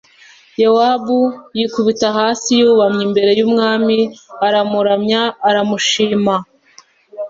Yowabu yikubita hasi yubamye imbere y’umwami aramuramya, aramushima.